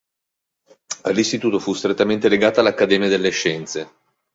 All'Istituto fu strettamente legata l'Accademia delle Scienze.